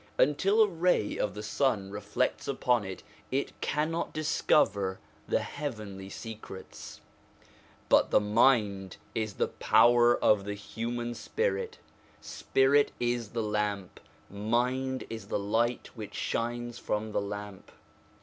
Until a ray of the sun reflects upon it, it cannot discover the heavenly secrets. But the mind is the power of the human spirit. Spirit is the lamp ; mind is the light which shines from the lamp.